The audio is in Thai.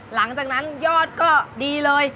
หลังจากนั้นยอดก็ดีเลย